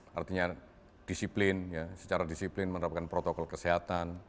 artinya disiplin secara disiplin menerapkan protokol kesehatan